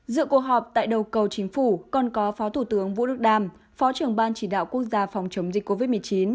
dự cuộc họp tại đầu cầu chính phủ còn có phó thủ tướng vũ đức đam phó trưởng ban chỉ đạo quốc gia phòng chống dịch covid một mươi chín